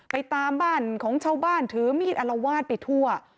ตามบ้านของชาวบ้านถือมีดอลวาดไปทั่ว